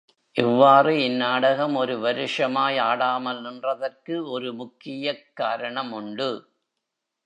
இவ்வாறு இந்நாடகம் ஒரு வருஷமாய் ஆடாமல் நின்றதற்கு ஒரு முக்கியக் காரணம் உண்டு.